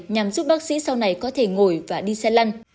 nhằm giúp bác sĩ sau này có thể ngồi và đi xe lăn